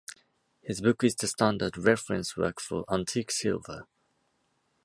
His book is the standard reference work for antique silver.